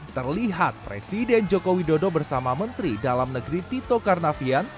terlihat presiden joko widodo bersama menteri dalam negeri tito karnavian